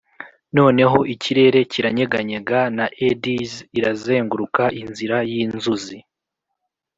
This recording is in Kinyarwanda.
noneho ikirere kiranyeganyega na eddies irazenguruka inzira yinzuzi